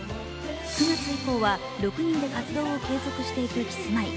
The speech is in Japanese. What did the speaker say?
９月以降は６人で活動を継続していくキスマイ。